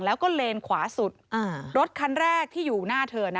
แล้วก็เลนขวาสุดรถคันแรกที่อยู่หน้าเธอนะ